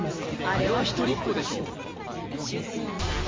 あれは１人っ子でしょ。